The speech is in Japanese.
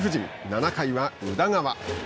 ７回は宇田川。